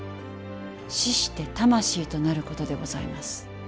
死して魂となることでございます。